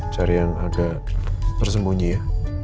cari yang agak tersembunyi ya